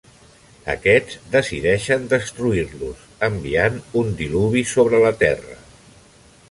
Aquests decideixen destruir-los, enviant un diluvi sobre la terra.